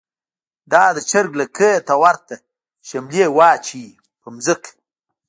دا د چر ګ لکۍ ته ورته شملی واچوی په ځمکه